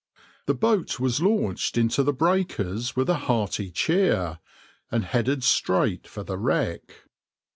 The boat was launched into the breakers with a hearty cheer, and headed straight for the wreck.